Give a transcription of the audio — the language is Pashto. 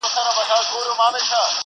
زما جانان ګل د ګلاب دی!!